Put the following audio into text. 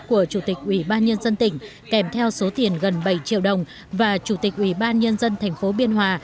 của chủ tịch ubnd tỉnh kèm theo số tiền gần bảy triệu đồng và chủ tịch ubnd tp biên hòa